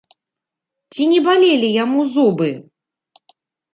Ці не балелі яму зубы?